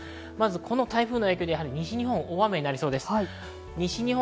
この台風の影響で西日本は大雨になりそうです。